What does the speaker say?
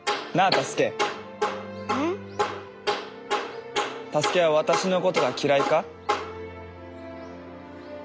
太助は私のことが嫌いか？